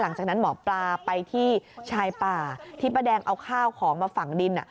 หลังจากนั้นหมอปลาไปที่ชายป่าที่ป้าแดงเอาข้าวของมาฝังดิน